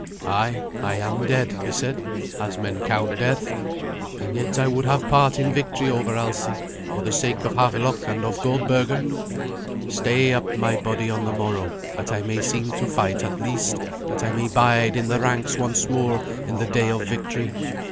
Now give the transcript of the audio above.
"Ay, I am dead," he said, "as men count death, and yet I would have part in victory over Alsi, for the sake of Havelok and of Goldberga. Stay up my body on the morrow, that I may seem to fight at least, that I may bide in the ranks once more in the day of victory.